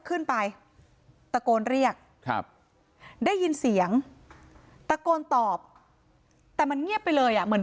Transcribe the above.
ขึ้นไปตะโกนเรียกครับได้ยินเสียงตะโกนตอบแต่มันเงียบไปเลยอ่ะเหมือน